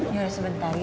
ya udah sebentar ya